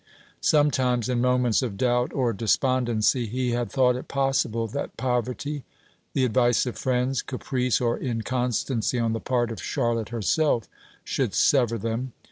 Sometimes, in moments of doubt or despondency, he had thought it possible that poverty, the advice of friends, caprice or inconstancy on the part of Charlotte herself, should sever them.